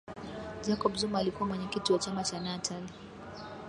jacob zuma alikuwa mwenyekiti wa chama cha natal